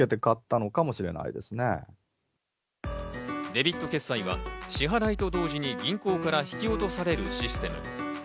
デビット決済は、支払いと同時に銀行から引き落とされるシステム。